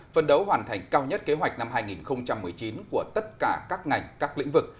phân đấu hoàn thành cao nhất kế hoạch năm hai nghìn một mươi chín của tất cả các ngành các lĩnh vực